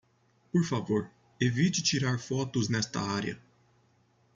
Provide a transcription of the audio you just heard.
Por favor, evite tirar fotos nesta área.